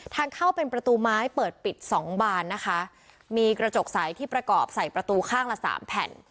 ทางเข้าเป็นประตูไม้เปิดปิดสองบานนะคะมีกระจกใสที่ประกอบใส่ประตูข้างละสามแผ่น